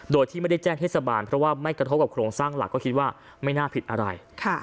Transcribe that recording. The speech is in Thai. โดยที่ไม่ได้แจ้งเทศบาลเพราะว่าไม่กระทบกับโครงสร้างหลักก็คิดว่าไม่น่าผิดอะไร